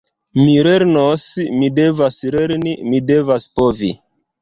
Mi lernos, mi devas lerni, mi devas povi!